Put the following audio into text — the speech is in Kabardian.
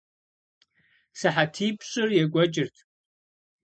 СыхьэтипщӀыр екӀуэкӀырт.